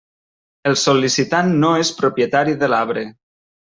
El sol·licitant no és propietari de l'arbre.